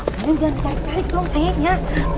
wah ampe jangan terkarek karek tolong sayangnya